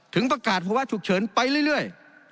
ประกาศภาวะฉุกเฉินไปเรื่อย